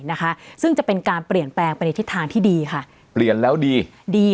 นะคะซึ่งจะเป็นการเปลี่ยนแปลงไปในทิศทางที่ดีค่ะเปลี่ยนแล้วดีดี